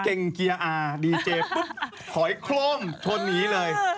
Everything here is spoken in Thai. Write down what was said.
เกียร์อาร์ดีเจปุ๊บถอยโคร่มชนหนีเลย